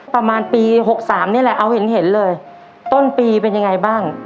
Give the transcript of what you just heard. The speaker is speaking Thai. ประมาณปีหกสามนี่แหละเอาเห็นเลยต้นปีเป็นยังไงบ้าง